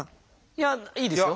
いやいいですよ。